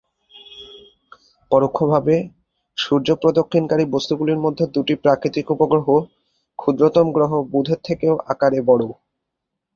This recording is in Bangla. পরোক্ষভাবে সূর্য-প্রদক্ষিণকারী বস্তুগুলির মধ্যে দু’টি প্রাকৃতিক উপগ্রহ ক্ষুদ্রতম গ্রহ বুধের থেকেও আকারে বড়ো।